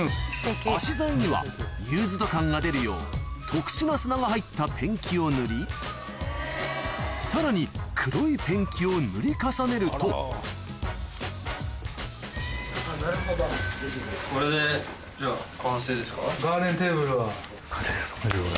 脚材にはユーズド感が出るよう特殊な砂が入ったペンキを塗りさらに黒いペンキを塗り重ねるとこれでじゃ完成ですか？